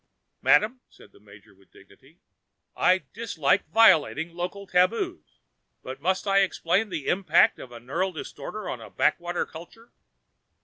"Madam," said the Major with dignity, "I dislike violating local tabus, but must I explain the impact of a neural distorter on a backwater culture?